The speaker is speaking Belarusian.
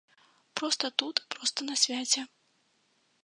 Проста тут, проста на свяце.